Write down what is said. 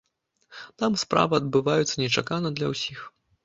Там справы адбываюцца нечакана для ўсіх.